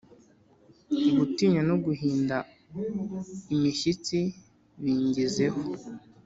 Gutinya no guhinda imishyitsi bingezeho